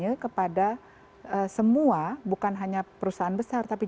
jadi sekarang misalnya situasi covid